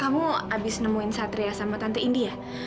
kamu habis dari menemukan satria dan tante india